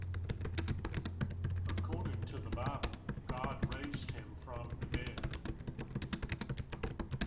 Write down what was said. According to the Bible, God raised him from the dead.